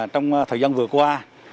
trong thời gian vừa qua